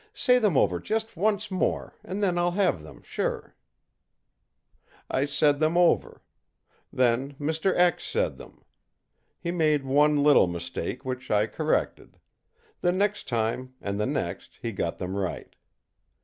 Say them over just once more, and then I'll have them, sure.î I said them over. Then Mr. said them. He made one little mistake, which I corrected. The next time and the next he got them right.